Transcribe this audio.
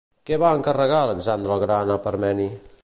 Què va encarregar Alexandre el Gran a Parmeni?